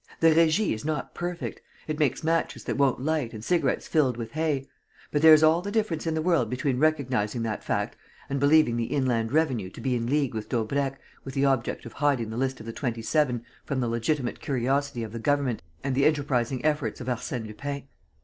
The Régie[E] is not perfect. It makes matches that won't light and cigarettes filled with hay. But there's all the difference in the world between recognizing that fact and believing the Inland Revenue to be in league with Daubrecq with the object of hiding the list of the Twenty seven from the legitimate curiosity of the government and the enterprising efforts of Arsène Lupin!